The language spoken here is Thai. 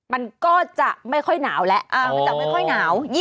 มันก็จะไม่ค่อยหนาวแล้วมันจะไม่ค่อยหนาว